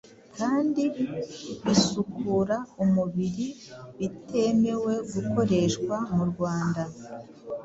kandi bisukura umubiri bitemewe gukoreshwa mu Rwanda.